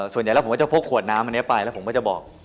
ส่วนใหญ่จะพกขวดน้ำไปแล้วผมก็จะบอก